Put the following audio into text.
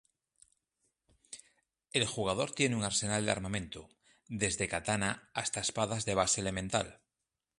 El jugador tiene un arsenal de armamento, desde katana hasta espadas de base elemental.